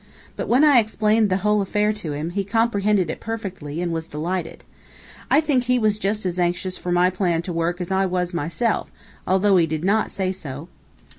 But when I explained the whole affair to him, he comprehended it perfectly, and was delighted. I think he was just as anxious for my plan to work as I was myself, although he did not say so.